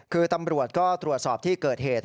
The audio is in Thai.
คือตำรวจก็ตรวจสอบที่เกิดเหตุ